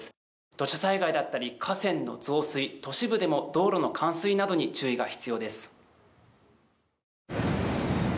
土砂災害だったり河川の増水都市部でも道路の冠水などに注意が必要です。